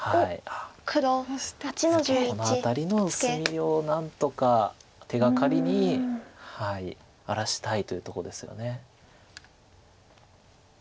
この辺りの薄みを何とか手がかりに荒らしたいというとこですよね。